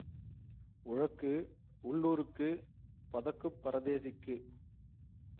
உழக்கு உள்ளூருக்கு பதக்குப் பரதேசிக்கு.